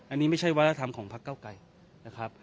อันนี้ไม่ใช่วัฒนธรรมของพักเก้าไกรนะครับ